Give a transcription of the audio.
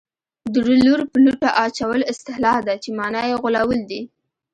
د لور په لوټه اچول اصطلاح ده چې مانا یې غولول دي